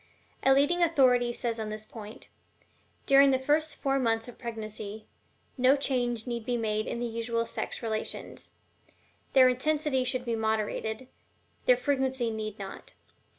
A leading authority says on this point: "During the first four months of pregnancy, no change need be made in the usual sex relations; their intensity should be moderated, their frequency need not.